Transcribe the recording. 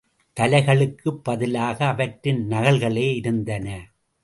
தலைகளுக்குப் பதிலாக அவற்றின் நகல்களே இருந்தன.